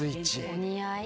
お似合い。